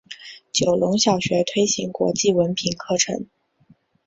九龙小学推行国际文凭课程。